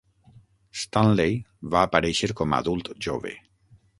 Stanley va aparèixer com a adult jove.